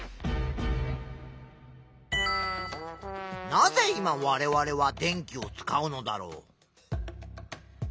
なぜ今われわれは電気を使うのだろう？